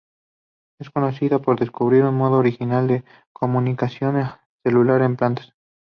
Es conocida por descubrir un modo original de comunicación celular en plantas.